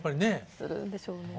するでしょうね。